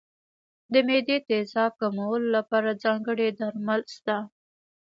د معدې تېزاب کمولو لپاره ځانګړي درمل شته.